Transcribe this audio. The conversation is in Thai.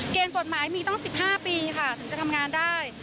เกณฑ์กฎหมายมีต้อง๑๕ปีถึงจะทำงานได้